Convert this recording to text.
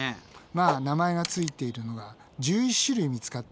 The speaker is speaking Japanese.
まあ名前がついているのが１１種類見つかってるね。